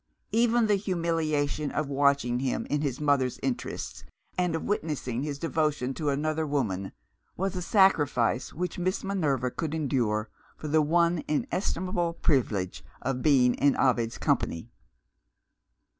Even the humiliation of watching him in his mother's interest, and of witnessing his devotion to another woman, was a sacrifice which Miss Minerva could endure for the one inestimable privilege of being in Ovid's company.